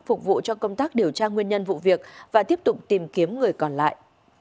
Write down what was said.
phục vụ cho công tác điều tra nguyên nhân vụ việc và tiếp tục tìm kiếm người còn lại